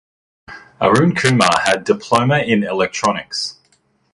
Arun Kumar had Diploma in Electronics.